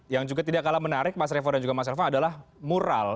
yang juga tidak kalah menarik mas revo dan juga mas elvan adalah mural